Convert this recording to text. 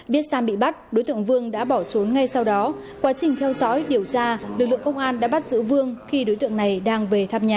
biết sang bị bắt đối tượng vương đã bỏ trốn ngay sau đó quá trình theo dõi điều tra lực lượng công an đã bắt giữ vương khi đối tượng này đang về thăm nhà